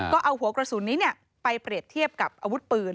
ก็เอาหัวกระสุนนี้ไปเปรียบเทียบกับอาวุธปืน